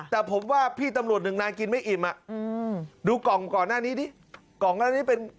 แต่ผมว่าพี่ตำรวจนึงนายกินไม่อิ่มดูกล่องก่อนหน้านี้สิ